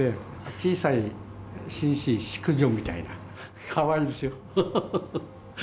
小さい紳士、淑女みたいな、かわいいですよ。